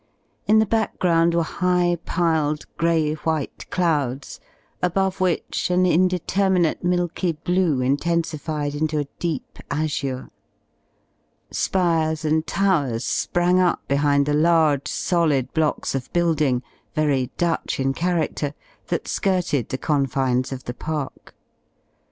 In the background were high piled grey white clouds, above which an indeterminate milky blue intensified into a deep azure: spires and towers sprang up behind the 36 large solid blocks of building, very Dutch in charader, that skirted the confines of the park.